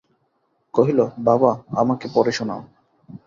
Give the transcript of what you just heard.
কহিল, বাবা, আমাকে পড়ে শোনাও।